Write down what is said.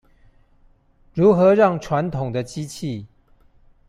如何讓傳統的機器